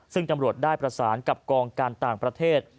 ซึ่งตำรวจได้ประสานกับกองการต่างประเทศ